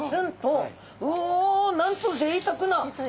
おなんとぜいたくな。